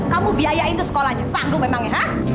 kamu biayain tuh sekolahnya sanggup memang ya